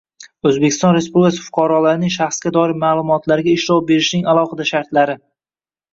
O‘zbekiston Respublikasi fuqarolarining shaxsga doir ma’lumotlariga ishlov berishning alohida shartlari